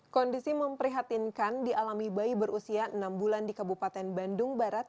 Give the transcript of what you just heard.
kondisi memprihatinkan dialami bayi berusia enam bulan di kabupaten bandung barat